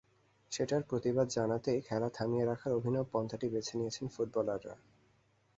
সেটার প্রতিবাদ জানাতেই খেলা থামিয়ে রাখার অভিনব পন্থাটি বেছে নিয়েছেন ফুটবলাররা।